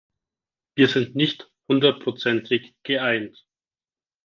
Wir sind nicht hundertprozentig geeint.